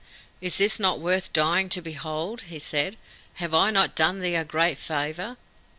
"Is this not worth dying to behold?" he said. "Have I not done thee a great favour?"